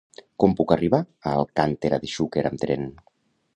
Com puc arribar a Alcàntera de Xúquer amb tren?